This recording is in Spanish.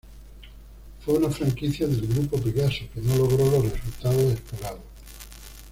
Fue una franquicia del Grupo Pegaso, que no logró los resultados esperados.